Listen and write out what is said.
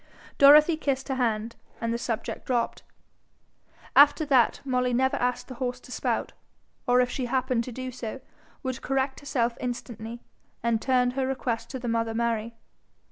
Dorothy kissed her hand, and the subject dropped. After that, Molly never asked the horse to spout, or if she happened to do so, would correct herself instantly, and turn her request to the mother Mary.